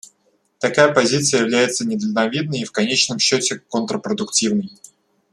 Такая позиция является недальновидной и в конечном счете контрпродуктивной.